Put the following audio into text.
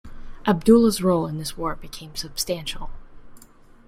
Abdullah's role in this war became substantial.